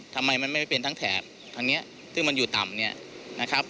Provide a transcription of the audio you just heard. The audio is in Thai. ทำไมมันไม่เป็นทั้งแถบทางนี้ซึ่งมันอยู่ต่ำเนี่ยนะครับ